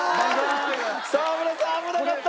沢村さん危なかった！